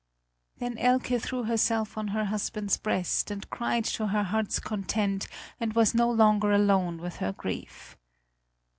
Then Elke threw herself on her husband's breast and cried to her heart's content and was no longer alone with her grief.